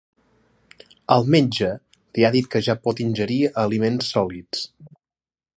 El metge li ha dit que ja pot ingerir aliments sòlids.